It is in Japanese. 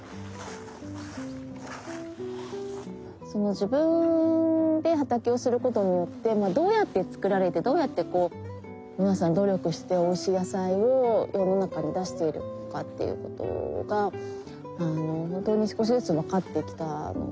自分で畑をすることによってどうやって作られてどうやってこう皆さん努力しておいしい野菜を世の中に出しているのかっていうことが本当に少しずつ分かってきたので。